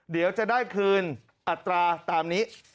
เดี๋ยวจะได้คืนอัตราตามนี้